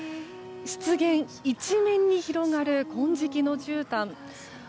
湿原一面に広がる金色のじゅうたん。